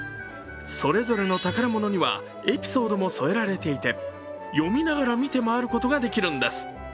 それぞれの宝物にはエピソードも添えられていて、読みながら見て回ることができるんです。